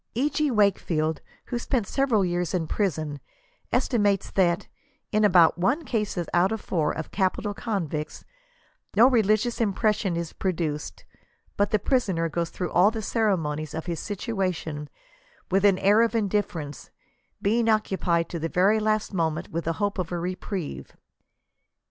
E. G. Wakefield, who spent several years in prison, estimates that " in about one case out of four" of capital convicts '*no re ligious impression is produced, but the prisoner goes through all the ceremonies of his situation with an air of indifference, being occupied to the very last moment with the hope of a re prieve."